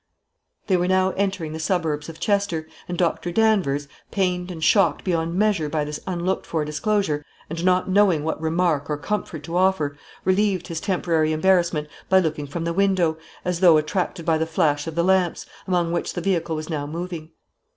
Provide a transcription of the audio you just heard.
They were now entering the suburbs of Chester, and Doctor Danvers, pained and shocked beyond measure by this unlooked for disclosure, and not knowing what remark or comfort to offer, relieved his temporary embarrassment by looking from the window, as though attracted by the flash of the lamps, among which the vehicle was now moving.